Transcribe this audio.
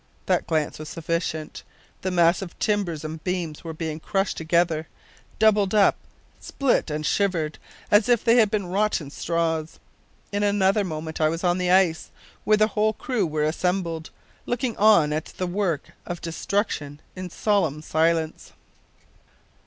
That glance was sufficient. The massive timbers and beams were being crushed together, doubled up, split, and shivered, as if they had been rotten straws! In another moment I was on the ice, where the whole crew were assembled, looking on at the work of destruction in solemn silence.